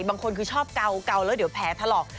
บางคนคือชอบเกาแล้วเดี๋ยวแผลถลอก